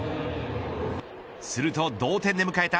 すると同点で迎えた